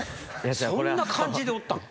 そんな感じでおったん？